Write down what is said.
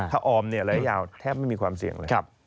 ถ้าออมระยะยาวแทบไม่มีความเสี่ยงเลย